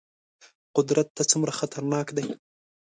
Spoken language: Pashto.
قدرت ته څومره خطرناک دي.